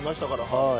はい。